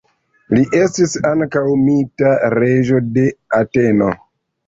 Li estis ankaŭ mita reĝo de Ateno.